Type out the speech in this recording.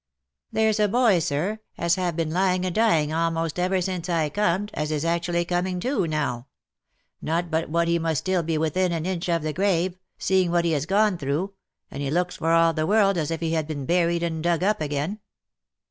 " There's a boy, sir, as have been lying a dying amost ever since I corned, as is actually coming to, now ; not but what he must still be within an inch of the grave, seeing what he has gone through — and he looks for all the world as if he had been buried and dug up again.